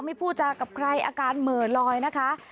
พูดจากับใครอาการเหม่อลอยนะคะ